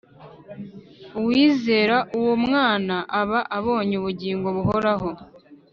. “Uwizera uwo mwana aba abonye ubugingo buhoraho.